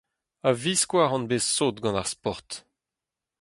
A-viskoazh on bet sot gant ar sport.